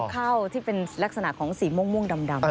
ข้าวที่เป็นลักษณะของสีม่วงดำ